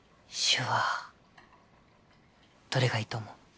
わーどれがいいと思う？